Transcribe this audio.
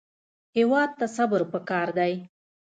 هېواد ته صبر پکار دی